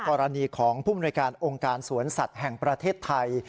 กรณีของผู้มนวยการองค์การสวนสัตว์แห่งประเทศไทย